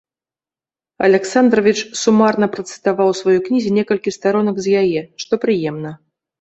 Аляксандравіч сумарна працытаваў у сваёй кнізе некалькі старонак з яе, што прыемна.